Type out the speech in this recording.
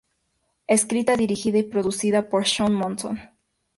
Escrita, dirigida y producida por Shaun Monson.